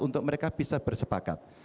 untuk mereka bisa bersepakat